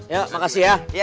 ya makasih ya